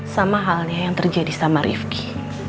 sama halnya yang terjadi sama rifki